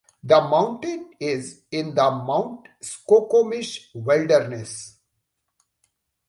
The mountain is in the Mount Skokomish Wilderness.